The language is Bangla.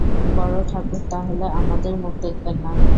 বড়োঠাকুর তা হলে আমাদের মুখ দেখবেন না।